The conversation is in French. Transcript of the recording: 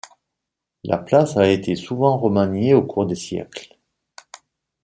La place a été souvent remaniée au cours des siècles.